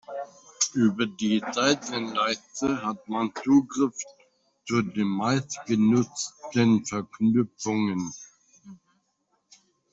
Über die Seitenleiste hat man Zugriff zu den meistgenutzten Verknüpfungen.